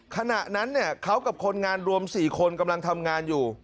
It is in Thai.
ขณะนั้นเขากับคนงานรวม๔คนกำลังทำงานอยู่